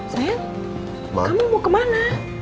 sayang kamu mau kemana